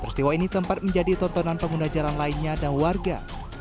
peristiwa ini sempat menjadi tontonan pengguna jalan lainnya dan warga